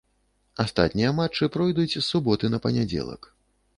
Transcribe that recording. Астатнія матчы пройдуць з суботы па панядзелак.